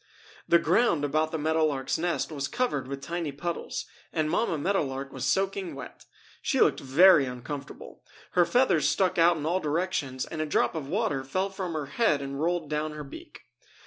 The ground about the Meadow Lark's nest was covered with tiny puddles, and Mamma Meadow Lark was soaking wet. She looked very uncomfortable. Her feathers stuck out in all directions and a drop of water fell from her head and rolled down her beak.